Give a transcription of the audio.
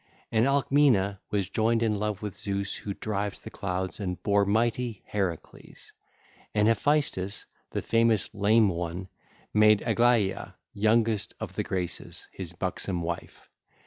943 944) And Alcmena was joined in love with Zeus who drives the clouds and bare mighty Heracles. (ll. 945 946) And Hephaestus, the famous Lame One, made Aglaea, youngest of the Graces, his buxom wife.